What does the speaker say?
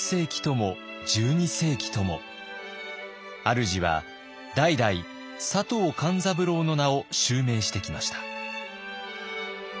あるじは代々佐藤勘三郎の名を襲名してきました。